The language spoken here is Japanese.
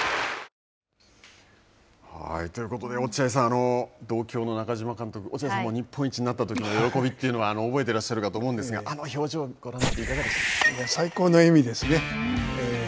ということで、落合さん同郷の中嶋監督、落合さんも日本一になったときの喜びは覚えていらっしゃるかと思うんですがあの表情をご覧になっていかがですか。